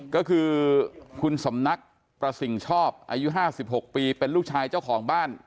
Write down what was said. ก็คือคุณสำนักประสิ่งชอบอายุ๕๖ปีเป็นลูกชายเจ้าของบ้าน